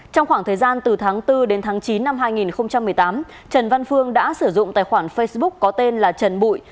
trong khoảng thời gian từ tháng bốn đến tháng chín năm hai nghìn một mươi tám trần văn phương đã sử dụng tài khoản facebook có tên là trần bụi